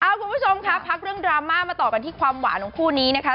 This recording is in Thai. คุณผู้ชมครับพักเรื่องดราม่ามาต่อกันที่ความหวานของคู่นี้นะคะ